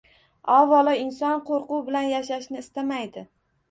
Avvalo, inson qo‘rquv bilan yashashni istamaydi.